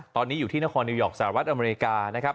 ตอนนี้อยู่ที่นครนิวยอร์กสหรัฐอเมริกานะครับ